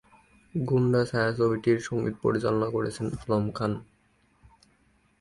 গুন্ডা ছায়াছবিটির সঙ্গীত পরিচালনা করেছেন আলম খান।